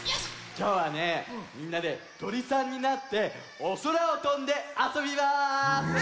きょうはねみんなでとりさんになっておそらをとんであそびます。